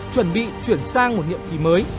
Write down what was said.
chuẩn bị chuyển sang một nhiệm kỳ mới